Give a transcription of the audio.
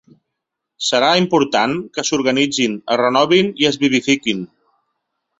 Serà important que s’organitzin, es renovin i es vivifiquin.